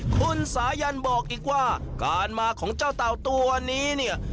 คุณสายันบอกอีกว่าการมาของเจ้าเต่าตัวนี้เนี่ย